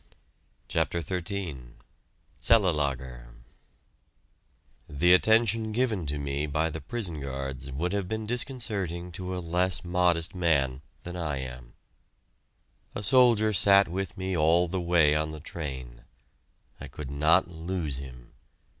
CHAPTER XIII CELLELAGER The attention given to me by the prison guards would have been disconcerting to a less modest man than I am. A soldier sat with me all the way on the train. I could not lose him!